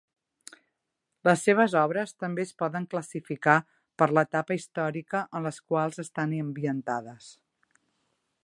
Les seves obres també es poden classificar per l'etapa històrica en les quals estan ambientades.